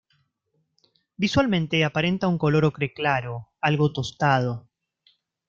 Visualmente aparenta un color ocre claro, algo tostado.